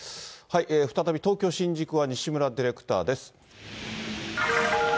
再び東京・新宿は西村ディレクターです。